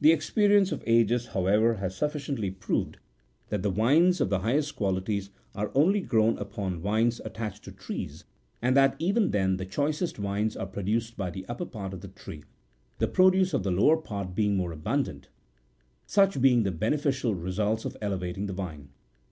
The experience of ages, however, has suffi ciently proved that the wines of the highest quality are only grown upon vines attached to trees, and that even then the choicest wines are produced by the upper part of the tree, the produce of the lower part being more abundant ; such being the beneficial results of elevating the vine.